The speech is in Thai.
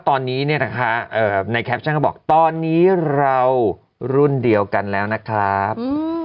ตอนนี้เนี่ยนะคะในแคปชั่นก็บอกตอนนี้เรารุ่นเดียวกันแล้วนะครับ